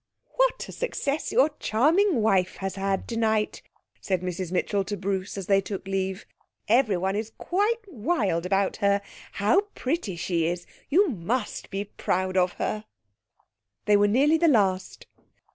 'What a success your charming wife has had tonight,' said Mrs Mitchell to Bruce, as they took leave. 'Everyone is quite wild about her. How pretty she is! You must be proud of her.' They were nearly the last.